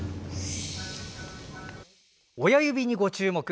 親指に、ご注目。